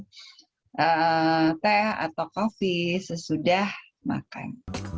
atau minum teh atau kopi sesudah makan